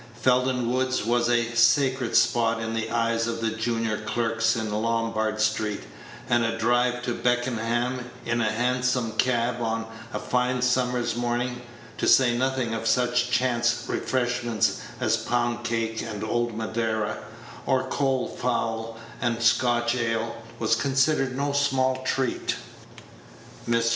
Felden Woods was a sacred spot in the eyes of the junior clerks in Lombard street, and a drive to Beckenham in a Hansom cab on a fine summer's morning, to say nothing of such chance refreshment as pound cake and old Madeira, or cold fowl and Scotch ale, was considered no small treat. Mr.